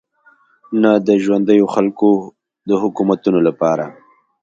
نه د ژونديو خلکو د حکومتونو لپاره.